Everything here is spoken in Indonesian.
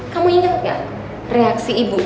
kamu ingat gak reaksi ibu